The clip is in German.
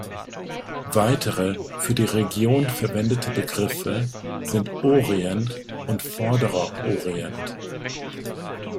Weitere für die Region verwendete Begriffe sind „Orient“ und „Vorderer Orient“.